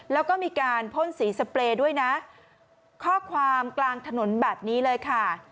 แล้วก็มีการพ่นสีสเปรย์ด้วยนะข้อความกลางถนนแบบนี้เลยค่ะ